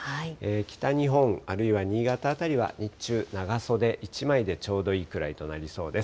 北日本、あるいは新潟辺りは、日中、長袖１枚でちょうどいいくらいとなりそうです。